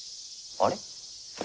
あれ！？